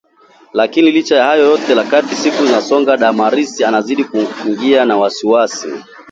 Lakini licha ya hayo yote, kadri siku zinasonga Damaris anazidi kuingiwa na wasiwasi